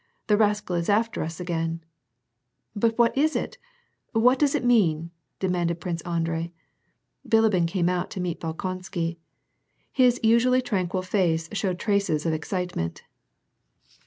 The rascal is after us again." *" But what is it ? What does it mean ?" demanded Prince Andrei. Bilibin came out to meet Bolkonsky. His usually tranquil face showed traces of excitement.